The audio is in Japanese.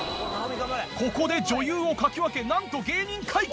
ここで女優をかき分けなんと芸人快挙！